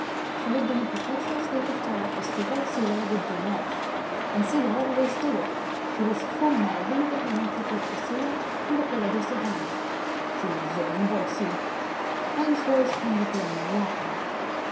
She lived in a perpetual state of terror as to what Celia would do next, and Celia always did it. She was full now of incoherent reproof to Celia and apologies to Haynes. " She is zo imbolsive." Haynes rose from the piano laughing.